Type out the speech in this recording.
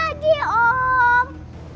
selamat pagi om